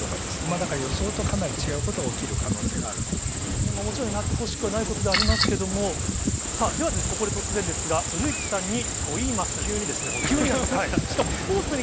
だから予想とかなり違うことが起そうですね、もちろん、なってほしくはないことではありますけれども、さあ、ではここで急にですね、本当に。